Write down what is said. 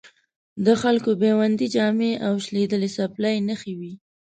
د خلکو بیوندي جامې او شلېدلې څپلۍ نښې وې.